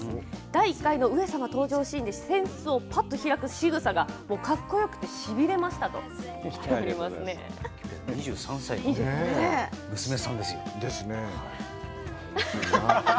第１回の上様登場シーンで扇子をぱっと開くしぐさがかっこよくてしびれま２３歳、娘さんですよ。ですね。